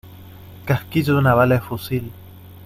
casquillo de una bala de fusil.